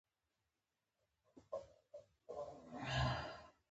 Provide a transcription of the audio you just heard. سیلاني ځایونه د افغان ښځو په ژوند کې رول لري.